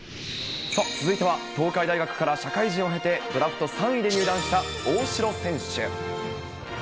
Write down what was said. さあ続いては、東海大学から社会人を経て、ドラフト３位で入団した大城選手。